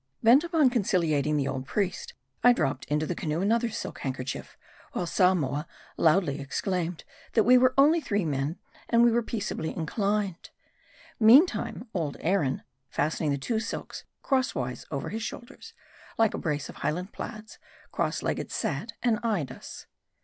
Bent upon conciliating the old priest, I dropped into the canoe another silk handkerchief; while Samoa loudly ex claimed, that we were only three men, and were peaceably M A R D I. 157 inclined. Meantime, old Aaron, fastening the two silks crosswise over his shoulders, like a brace of Highland plaids, crosslegged sat, and eyed us.